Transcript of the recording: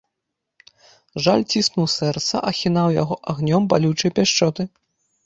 Жаль ціснуў сэрца, ахінаў яго агнём балючай пяшчоты.